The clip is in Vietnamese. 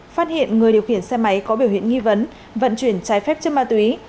phát hiện người điều khiển xe máy có biểu hiện nghi vấn vận chuyển trái phép chất ma túy